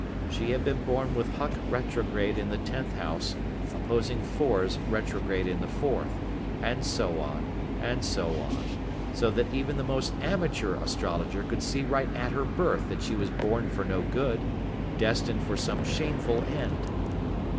She had been born with Huck retrograde in the tenth house, opposing Fors retrograde in the fourth, and so on, and so on, so that even the most amateur astrologer could see right at her birth that she was born for no good, destined for some shameful end.